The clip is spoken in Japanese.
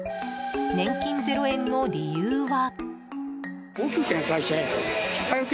年金ゼロ円の理由は。